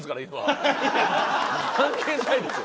関係ないでしょ。